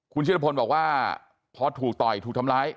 คุณชิรพลบอกว่าพอถูกต่อยถูกทำร้าย